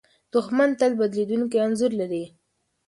دښمن تل بدلېدونکی انځور لري.